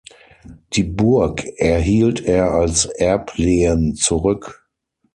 Die Burg erhielt er als Erblehen zurück.